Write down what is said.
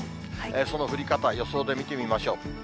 その降り方、予想で見てみましょう。